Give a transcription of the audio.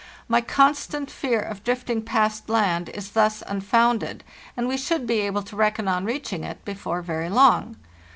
My con stant fear of drifting past land is thus unfounded, and we should be able to reckon on reaching it before very long.